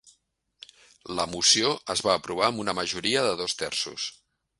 La moció es va aprovar amb una majoria de dos terços.